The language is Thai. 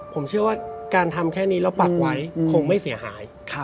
ผมเชื่อว่าการทำแค่นี้แล้วปักไว้คงไม่เสียหาย